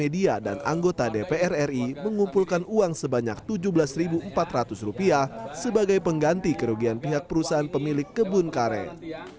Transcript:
media dan anggota dpr ri mengumpulkan uang sebanyak rp tujuh belas empat ratus sebagai pengganti kerugian pihak perusahaan pemilik kebun karet